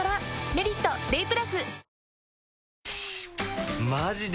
「メリットＤＡＹ＋」